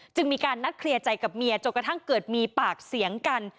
มีการนัดเคลียร์ใจกับเมียจนกระทั่งเกิดมีปากเสียงกัน